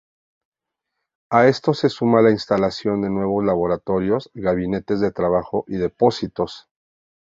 A esto se suma la instalación de nuevos laboratorios, gabinetes de trabajo y depósitos.